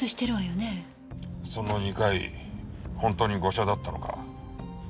その２回ほんとに誤射だったのか？